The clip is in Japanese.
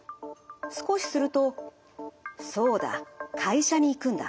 少しすると「そうだ会社に行くんだ。